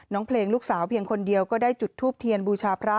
เพลงลูกสาวเพียงคนเดียวก็ได้จุดทูปเทียนบูชาพระ